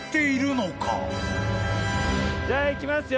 じゃあいきますよ！